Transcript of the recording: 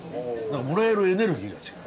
もらえるエネルギーが違う。